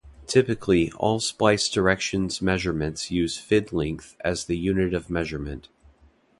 Typically, all splice directions measurements use fid-length as the unit of measurement.